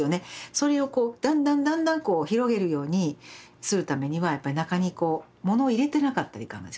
それをだんだんだんだん広げるようにするためにはやっぱり中にこうものを入れてなかったらいかんがですね。